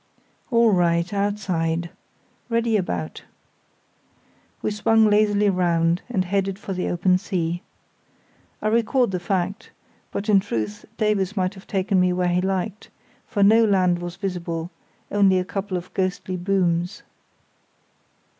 "All right—outside. Ready about." We swung lazily round and headed for the open sea. I record the fact, but in truth Davies might have taken me where he liked, for no land was visible, only a couple of ghostly booms.